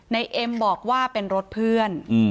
เอ็มบอกว่าเป็นรถเพื่อน